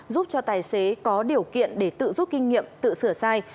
giúp cho tài xế có điều kiện để tự rút kinh nghiệm tự sửa sai